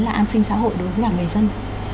là an sinh xã hội đối với cả người dân